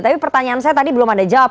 tapi pertanyaan saya tadi belum anda jawab